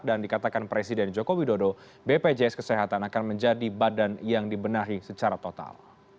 dan dikatakan presiden joko widodo bpjs kesehatan akan menjadi badan yang dibenahi secara total